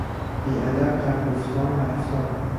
بیادب در گفتار و رفتار